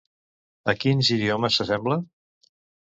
A quins idiomes s'assembla?